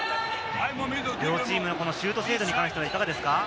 両チームのシュート精度に関してはいかがですか？